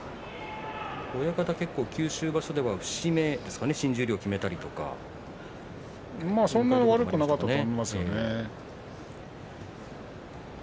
親方は九州場所では新十両を決めたりとかそんなに悪くなかったと思いますね。